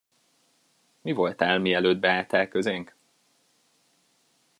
Mi voltál, mielőtt beálltál közénk?